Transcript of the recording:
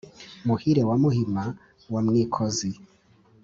muhire wa muhima wa mwikozi